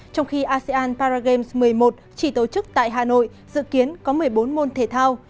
trong khi asean paragame một mươi một chỉ tổ chức tại hà nội dự kiến có một mươi bốn môn thể thao